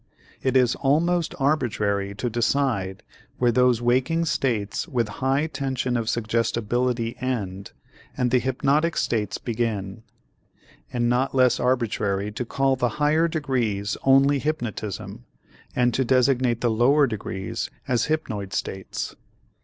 It is almost arbitrary to decide where those waking states with high tension of suggestibility end and the hypnotic states begin, and not less arbitrary to call the higher degrees only hypnotism and to designate the lower degrees as hypnoid states.